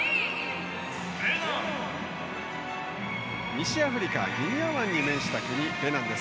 西アフリカギニア湾に面した国、ベナンです。